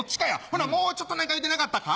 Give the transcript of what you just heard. ほなもうちょっと何か言うてなかったか？